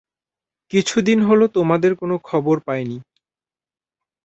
কিছুদিন হল তোমাদের কোন খবর পাইনি।